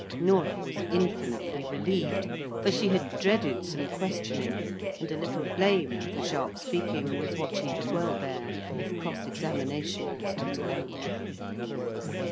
Norah was infinitely relieved; for she had dreaded some questioning; and a little blame for sharp speaking was what she could well bear, if cross examination was let alone.